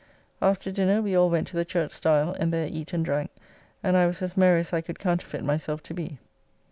After dinner we all went to the Church stile, and there eat and drank, and I was as merry as I could counterfeit myself to be.